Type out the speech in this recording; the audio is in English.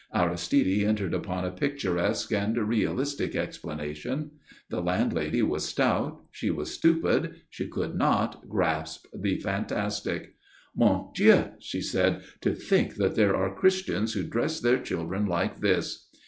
Aristide entered upon a picturesque and realistic explanation. The landlady was stout, she was stupid, she could not grasp the fantastic. "Mon Dieu!" she said. "To think that there are Christians who dress their children like this!"